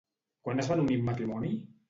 Quan es van unir en matrimoni?